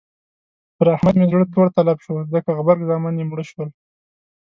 پر احمد مې زړه تور تلب شو ځکه غبر زامن يې مړه شول.